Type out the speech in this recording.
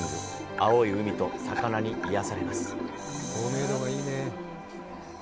青い海と魚に癒やされます！